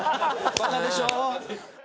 バカでしょ？